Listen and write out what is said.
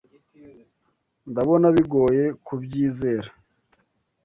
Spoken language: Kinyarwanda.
Ndabona bigoye kubyizera.